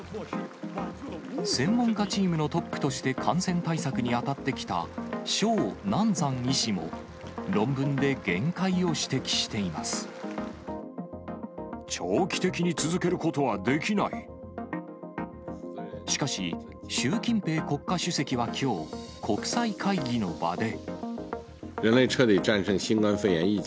専門家チームのトップとして感染対策に当たってきた鍾南山医師も、長期的に続けることはできなしかし、習近平国家主席はきょう、国際会議の場で。